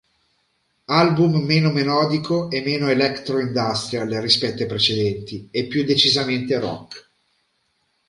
Album meno melodico e meno "electro-industrial" rispetto ai precedenti, e più decisamente "rock".